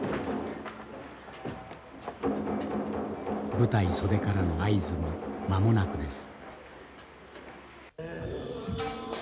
舞台袖からの合図も間もなくです。